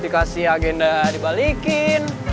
dikasih agenda dibalikin